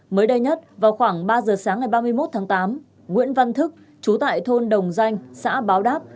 mới đây nhất vào khoảng ba giờ sáng ngày ba mươi một tháng tám nguyễn văn thức chú tại thôn đồng danh xã báo đáp